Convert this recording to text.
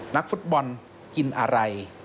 นักฟุตบอลกินอะไร